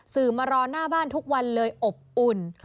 มารอหน้าบ้านทุกวันเลยอบอุ่น